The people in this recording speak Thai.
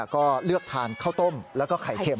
ก็เลือกทานข้าวต้มแล้วก็ไข่เค็ม